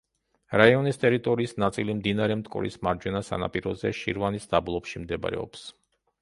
რაიონის ტერიტორიის ნაწილი მდინარე მტკვრის მარჯვენა სანაპიროზე, შირვანის დაბლობში მდებარეობს.